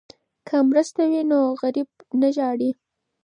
که مرسته وي نو غریب نه ژاړي.